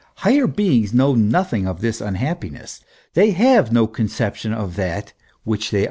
Higher beings know nothing of this unhappi ness ; they have no conception of that which they are not.